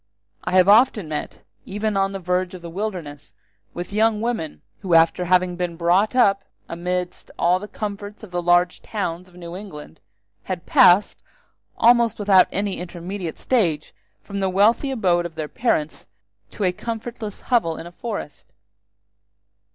I have often met, even on the verge of the wilderness, with young women, who after having been brought up amidst all the comforts of the large towns of New England, had passed, almost without any intermediate stage, from the wealthy abode of their parents to a comfortless hovel in a forest.